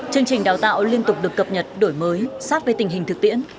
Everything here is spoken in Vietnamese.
chương trình đào tạo liên tục được cập nhật đổi mới sát với tình hình thực tiễn